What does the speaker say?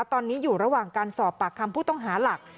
ตอนนี้อยู่ระหว่างการสอบปากคำผู้ต้องหาหลัก